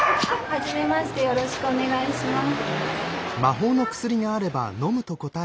はじめましてよろしくお願いします。